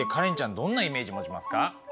どんなイメージ持ちますか？